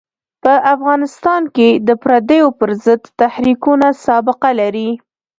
په افغانستان کې د پردیو پر ضد تحریکونه سابقه لري.